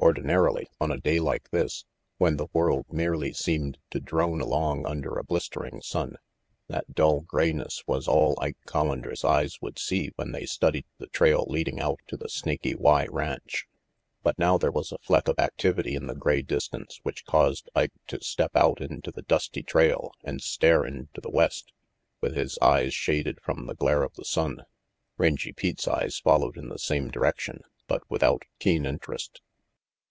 Ordinarily, on a day like this, when the world merely seemed to drone along under a blistering sun, that dull grayness was all Ike Collander's eyes would see when they studied the trail leading out to the Snaky Y Ranch. But now there was a fleck of activity in the gray distance which caused Ike to step out into the dusty trail and stare into the west, with his eyes shaded from the glare of the sun. Rangy Pete's eyes followed in the same direction, but without keen interest.